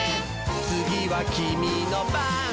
「つぎはキミのばん」